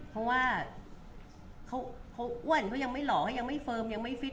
เพราะว่าเขาอ้วนเขายังไม่หล่อเขายังไม่เฟิร์มยังไม่ฟิต